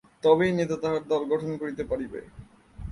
তবেই নেতা তাহার দল গঠন করিতে পারিবে।